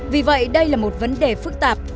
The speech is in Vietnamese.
vì vậy đây là một vấn đề phức tạp